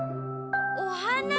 おはな？